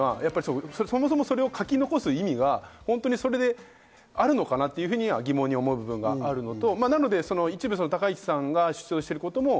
そもそもそれを書き残す意味がそれであるのかなと疑問に思う部分があるのと、